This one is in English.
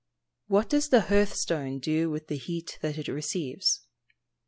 _What does the hearth stone do with the heat that it receives?